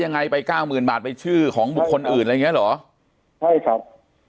ยังไงไป๙๐๐๐๐บาทไปชื่อของบุคคลอื่นอะไรเงี้ยเหรอใช่ครับ